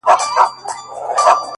قربان د ډار له کيفيته چي رسوا يې کړم;